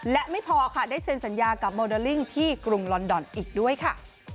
และไม่พอค่ะได้เซ็นสัญญากับโมเดลลิ่งที่กรุงลอนดอนอีกด้วยค่ะ